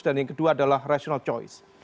dan yang kedua adalah rational choice